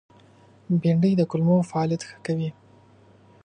بېنډۍ د کولمو فعالیت ښه کوي